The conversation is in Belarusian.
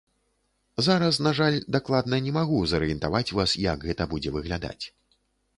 Зараз, на жаль, дакладна не магу зарыентаваць вас, як гэта будзе выглядаць.